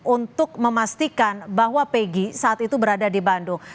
untuk memastikan bahwa peggy saat itu berada di bandung